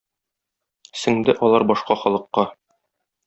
Сеңде алар башка халыкка.